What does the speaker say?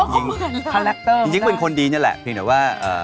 จริงเป็นคนดีนี่แหละ